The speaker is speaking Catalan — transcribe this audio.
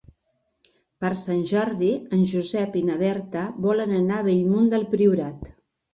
Per Sant Jordi en Josep i na Berta volen anar a Bellmunt del Priorat.